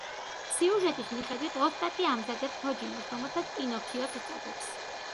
სიუჟეტის მიხედვით, ოსტატი ამზადებს თოჯინას, რომელსაც პინოქიოს უწოდებს.